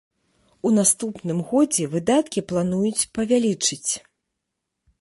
У наступным годзе выдаткі плануюць павялічыць.